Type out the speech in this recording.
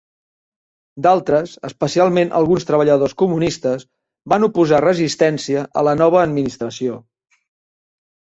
D'altres, especialment alguns treballadors comunistes, van oposar resistència a la nova administració.